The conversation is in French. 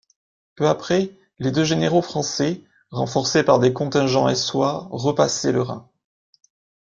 Peu après, les deux généraux français, renforcés par des contingents hessois, repassaient le Rhin.